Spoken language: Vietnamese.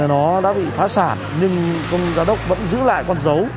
nó đã bị phá sản nhưng công giáo đốc vẫn giữ lại con dấu